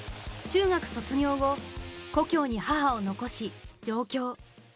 中学卒業後故郷に母を残し上京。